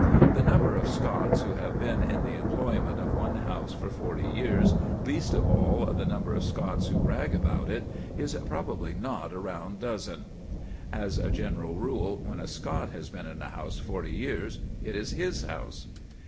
The number of Scots who have been in the employment of one house for forty years, least of all the number of Scots who brag about it, is probably not a round dozen. As a general rule, when a Scot has been in a house forty years, it is his house.